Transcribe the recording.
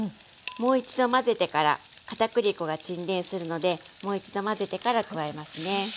もう一度混ぜてから片栗粉が沈殿するのでもう一度混ぜてから加えますね。